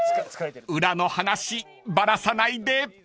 ［裏の話バラさないで］